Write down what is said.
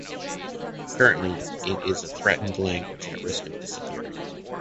Currently, it is a threatened language at risk of disappearing.